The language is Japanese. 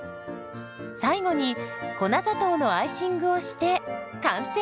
最後に粉砂糖のアイシングをして完成。